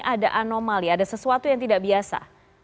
ada anomali ada sesuatu yang tidak biasa